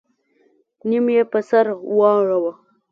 نيم يې په سر واړوه.